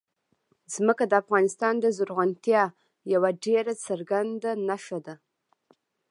ځمکه د افغانستان د زرغونتیا یوه ډېره څرګنده نښه ده.